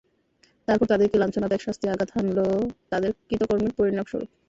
তারপর তাদেরকে লাঞ্ছনাদায়ক শাস্তি আঘাত হানল তাদের কৃতকর্মের পরিণামস্বরূপ।